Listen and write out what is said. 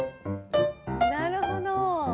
なるほど。